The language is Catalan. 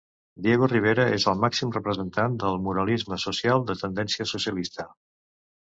Diego Rivera és el màxim representant del muralisme social de tendència socialista.